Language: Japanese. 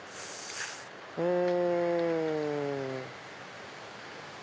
うん。